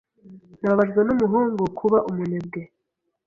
Nababajwe numuhungu kuba umunebwe.